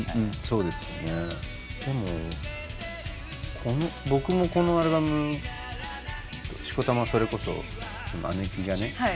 でも僕もこのアルバムしこたまそれこそ姉貴がね。